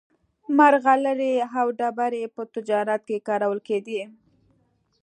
مرغلرې او ډبرې په تجارت کې کارول کېدې.